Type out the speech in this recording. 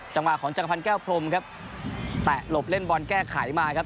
จังหวะของจักรพันธ์แก้วพรมครับแตะหลบเล่นบอลแก้ไขมาครับ